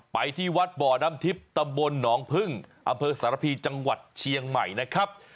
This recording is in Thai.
ไปที่วัดบ่อน้ำทิพย์ตำบลหนองพึ่งอำเภอสารพีจังหวัดเชียงใหม่นะครับ